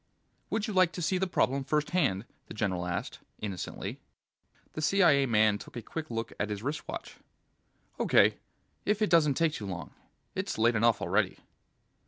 "Would you like to see the problem first hand?" the general asked, innocently. The CIA man took a quick look at his wristwatch. "O.K., if it doesn't take too long. It's late enough already."